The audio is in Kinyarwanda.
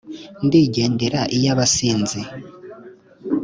ndigendera ay’abasinzi,